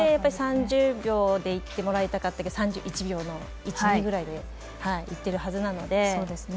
３０秒でいってもらいたかったけど３１秒の１、２ぐらいでいってるはずなので。